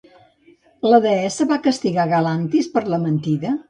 La deessa va castigar Galantis per la mentida?